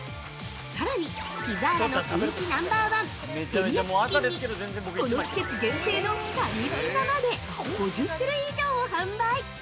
さらに、ピザーラの人気ナンバーワンテリヤキチキンにこの季節限定のカニピザまで５０種類以上を販売。